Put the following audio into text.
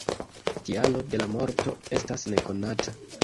Kialo de la morto estas nekonata.